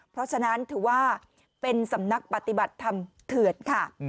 เพราะฉะนั้นถือว่าเป็นสำนักปฏิบัติธรรมเถื่อนค่ะ